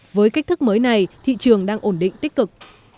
với cách thức mới này thị trường đang ổn định tích cực